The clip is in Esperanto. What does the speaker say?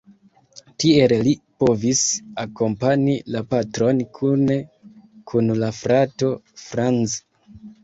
Tiel li povis akompani la patron kune kun la frato Franz.